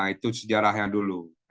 itu sejarah yang dulu